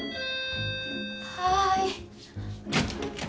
はい